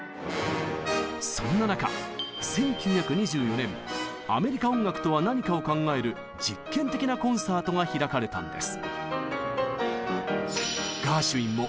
そんな中１９２４年「アメリカ音楽とは何か」を考える実験的なコンサートが開かれたんです。